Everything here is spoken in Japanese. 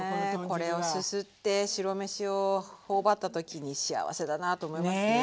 これをすすって白飯を頬張った時に幸せだなと思いますね。